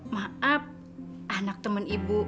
maaf anak temen ibu